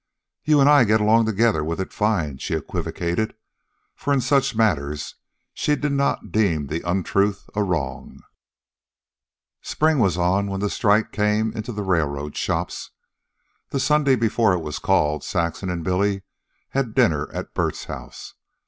"You and I get along together with it fine," she equivocated; for in such matters she did not deem the untruth a wrong. Spring was on when the strike came in the railroad shops. The Sunday before it was called, Saxon and Billy had dinner at Bert's house.